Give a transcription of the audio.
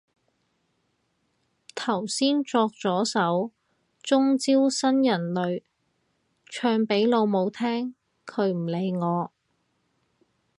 頭先作咗首中招新人類唱俾老母聽，佢唔理我